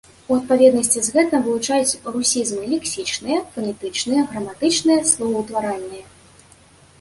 У адпаведнасці з гэтым вылучаюць русізмы лексічныя, фанетычныя, граматычныя, словаўтваральныя.